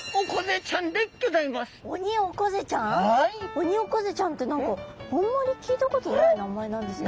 オニオコゼちゃんって何かあんまり聞いたことない名前なんですが。